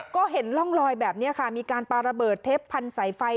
ก็เห็นร่องลอยแบบนี้ค่ะมีการปาระเบิดเทปพันธุ์สายไฟ